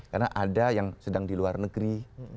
karena ada yang sedang di luar negeri